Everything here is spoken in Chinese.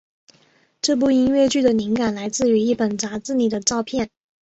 这部音乐剧的灵感来自于一本杂志里的照片。